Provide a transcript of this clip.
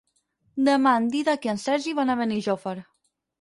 Demà en Dídac i en Sergi van a Benijòfar.